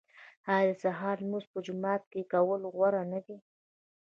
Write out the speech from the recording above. آیا د سهار لمونځ په جومات کې کول غوره نه دي؟